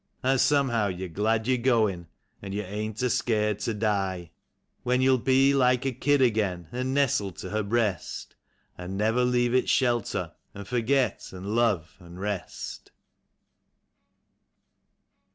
An' somehow you're glad you're goin', an' you ain't a scared to die; When you'll be like a kid again, an' nestle to her breast. An' never leave its shelter, an' forget, an' love, an' rest.